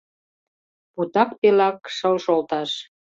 Путак пелак шыл шолташ